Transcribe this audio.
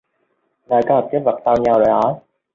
Nơi có một chiếc vực sau nhà rồi hỏi